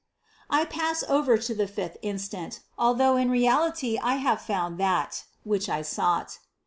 46. I pass over to the fifth instant, although in reality I have found that, which I sought.